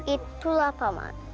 itulah pak man